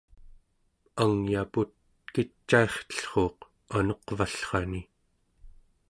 angyaput kicairtellruuq anuq'vallrani